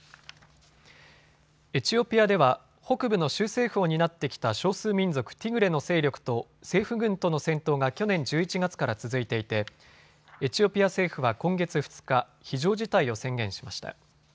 エチオピアでは北部の州政府を担ってきた少数民族ティグレの勢力と政府軍との戦闘が去年１１月から続いていてエチオピア政府は今月２日、非常事態を宣言しました。